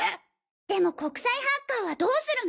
でも国際ハッカーはどうするの？